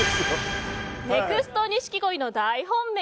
ネクスト錦鯉の大本命？